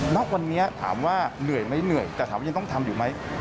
ณวันนี้ถามว่าเหนื่อยไหมเหนื่อยแต่ถามว่ายังต้องทำอยู่ไหม